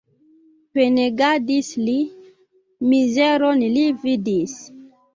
Penegadis li, mizeron li vidis.